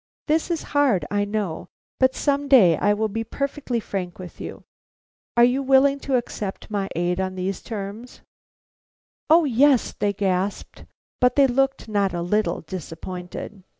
This is hard, I know; but some day I will be perfectly frank with you. Are you willing to accept my aid on these terms?" "O yes," they gasped, but they looked not a little disappointed.